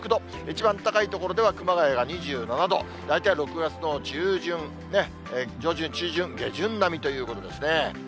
一番高い所では熊谷が２７度、大体６月の中旬、上旬、中旬、下旬並みということですね。